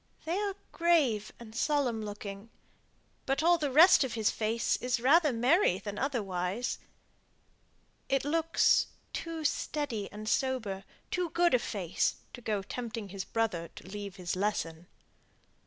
They are grave and solemn looking; but all the rest of his face is rather merry than otherwise. It looks too steady and sober, too good a face, to go tempting his brother to leave his lesson."